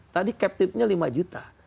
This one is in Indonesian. tadi captive nya lima juta